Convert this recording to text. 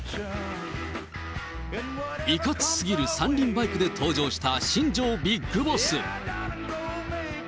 いかつすぎる３輪バイクで登場した新庄ビッグボス。